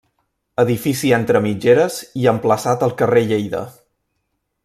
Edifici entre mitgeres i emplaçat al carrer Lleida.